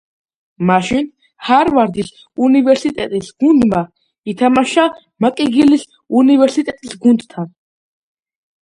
მაშინ ჰარვარდის უნივერსიტეტის გუნდმა ითამაშა მაკგილის უნივერსიტეტის გუნდთან.